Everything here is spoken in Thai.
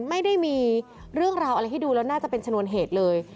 ไม่ได้มีเรื่องราวอะไรให้ดูแล้วน่าจะเป็นชนวนเหตุเลย